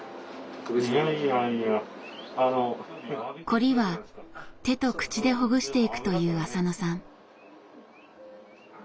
凝りは手と口でほぐしていくという浅野さん。